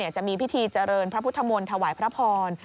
จะมีพิธีเจริญพระพุทธมนต์ถวายพระพร